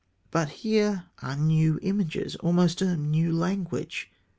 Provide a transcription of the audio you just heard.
But here are new images, almost a new language.